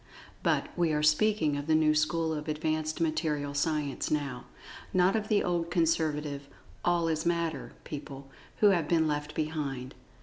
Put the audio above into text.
But, we are speaking of the new school of advanced Material Science now—not of the old conservative "All is Matter" people, who have been left behind.